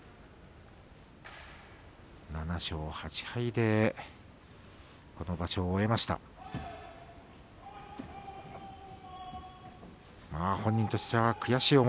７勝８敗でこの場所を終えました隆の勝です。